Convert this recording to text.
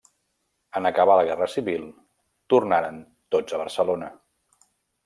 En acabar la guerra civil, tornaren tots a Barcelona.